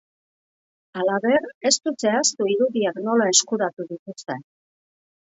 Halaber, ez du zehaztu irudiak nola eskuratu dituzten.